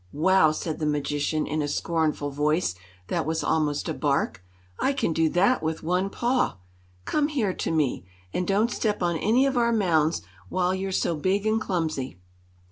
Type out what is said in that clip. "Wow!" said the magician, in a scornful voice that was almost a bark. "I can do that with one paw. Come here to me, and don't step on any of our mounds while you're so big and clumsy."